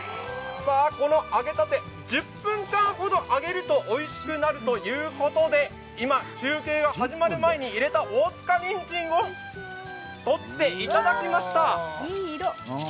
この揚げたて、１０分間ほど揚げるとおいしくなるということで今、中継が始まる前に入れた大塚にんじんをとっていただきました。